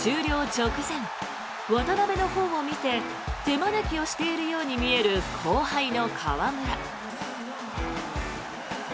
直前渡邊のほうを見て手招きをしているように見える後輩の河村。